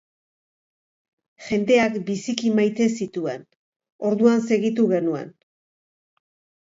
Jendeak biziki maite zituen, orduan segitu genuen.